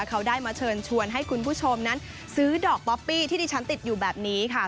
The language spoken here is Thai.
เขาได้มาเชิญชวนให้คุณผู้ชมนั้นซื้อดอกป๊อปปี้ที่ดิฉันติดอยู่แบบนี้ค่ะ